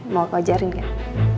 mau kau ajarin kan